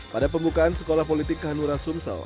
pada pembukaan sekolah politik hanura sumsel